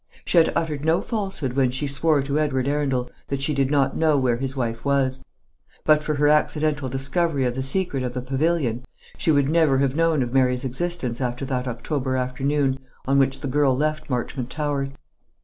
She had uttered no falsehood when she swore to Edward Arundel that she did not know where his wife was. But for her accidental discovery of the secret of the pavilion, she would never have known of Mary's existence after that October afternoon on which the girl left Marchmont Towers.